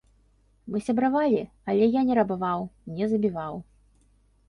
Мы сябравалі, але я не рабаваў, не забіваў.